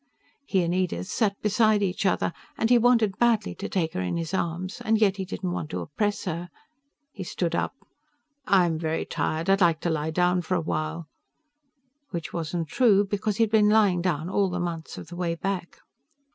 He and Edith sat beside each other, and he wanted badly to take her in his arms, and yet he didn't want to oppress her. He stood up. "I'm very tired. I'd like to lie down a while." Which wasn't true, because he'd been lying down all the months of the way back.